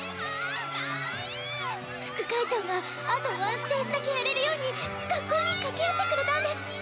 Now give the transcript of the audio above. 副会長があとワンステージだけやれるように学校に掛け合ってくれたんです！